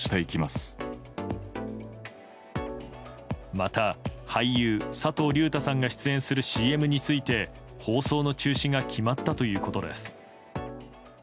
また、俳優・佐藤隆太さんが出演するＣＭについて、放送の中止が決まったということです。